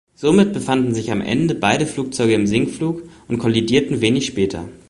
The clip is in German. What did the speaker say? Somit befanden sich am Ende beide Flugzeuge im Sinkflug und kollidierten wenig später.